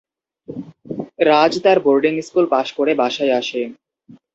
রাজ তার boarding school পাশ করে বাসায় আসে।